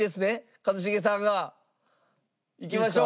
一茂さんがいきましょう。